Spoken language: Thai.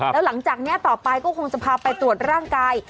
แล้วหลังจากนี้ต่อไปก็คงจะพาไปตรวจร่างกาย